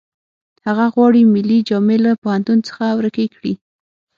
هغه غواړي ملي جامې له پوهنتون څخه ورکې کړي